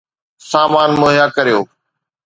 سامان مهيا ڪريو